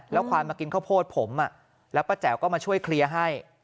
ควายมากินข้าวโพดผมแล้วป้าแจ๋วก็มาช่วยเคลียร์ให้